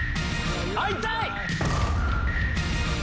会いたい！